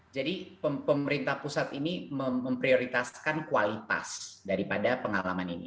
jadi pemerintah pusat ini memprioritaskan kualitas daripada pengalaman ini